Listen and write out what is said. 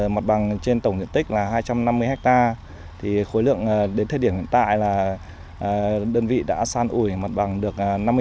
mặt bằng trên tổng diện tích là hai trăm năm mươi ha khối lượng đến thời điểm hiện tại là đơn vị đã san ủi mặt bằng được năm mươi